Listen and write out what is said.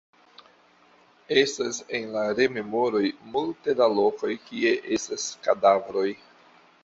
Estas en la rememoroj multe da lokoj, kie estas kadavroj.